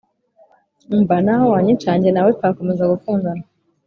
umva naho wanyica njye na we twakomeza gukundana